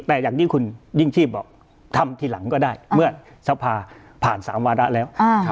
แต่อย่างยิ่งคุณยิ่งชีพบอกทำทีหลังก็ได้เมื่อสภาผ่าน๓วาระแล้ว